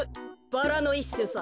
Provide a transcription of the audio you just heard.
バラのいっしゅさ。